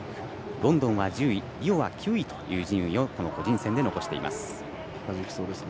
ロンドンは１０位リオは９位という順位を個人戦で残しています。